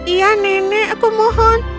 iya nenek aku mohon